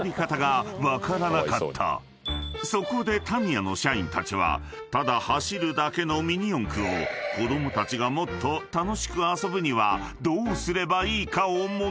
［そこでタミヤの社員たちはただ走るだけのミニ四駆を子供たちがもっと楽しく遊ぶにはどうすればいいかを模索］